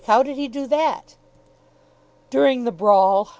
"How did he do that?" "During the brawl.